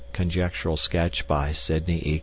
(Conjectural sketch by Sidney E.